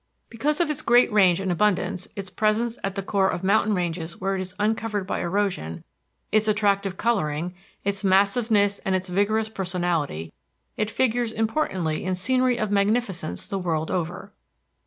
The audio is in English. Because of its great range and abundance, its presence at the core of mountain ranges where it is uncovered by erosion, its attractive coloring, its massiveness and its vigorous personality, it figures importantly in scenery of magnificence the world over.